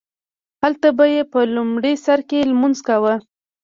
هلته به یې په لومړي سرکې لمونځ کاوو.